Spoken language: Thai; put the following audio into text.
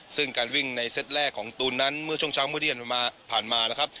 ซึ่งการวิ่งในเซตแรกของตูนนั้นเมื่อช่วงเช้าเมื่อเย็นผ่านมานะครับ